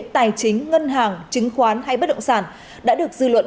tài chính ngân hàng chứng khoán hay bất động sản đã được dư luận